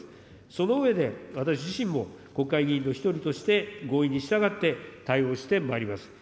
その上で、私自身も国会議員の一人として、合意に従って、対応してまいります。